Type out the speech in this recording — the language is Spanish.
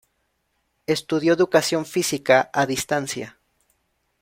Estudió educación física a distancia.